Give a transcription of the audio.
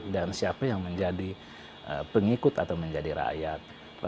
dan siapa yang menjadi pengikut atau menjadi rakyat